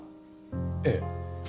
ええ。